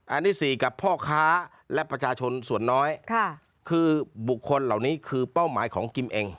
อันนี้สี่กับพ่อค้าและประชาชนส่วนน้อยคือบุคคลเหล่านี้คือเป้าหมายของกิมเอง